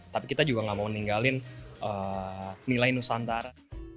tapi kita juga gak mau meninggalin nilai nusantara